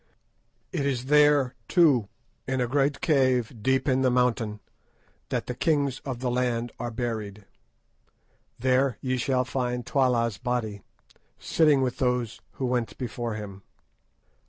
It is there, too, in a great cave deep in the mountain, that the kings of the land are buried; there ye shall find Twala's body, sitting with those who went before him.